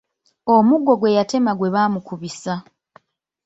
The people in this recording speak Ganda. Omuggo gwe yatema gwe bamukubisizza.